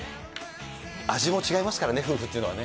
味も違いますからね、夫婦っていうのはね。